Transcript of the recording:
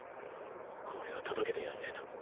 これを届けてやんねえと。